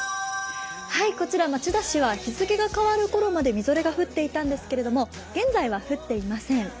こちら、町田市は日付が変わる頃までみぞれが降っていたんですが、現在は降っていません。